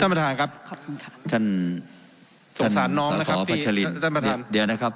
ประธานครับขอบคุณค่ะท่านสงสารน้องนะครับพี่ฉลินท่านประธานเดี๋ยวนะครับ